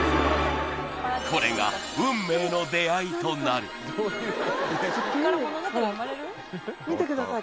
これが運命の出会いとなる見てください